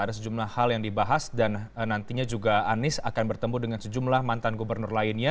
ada sejumlah hal yang dibahas dan nantinya juga anies akan bertemu dengan sejumlah mantan gubernur lainnya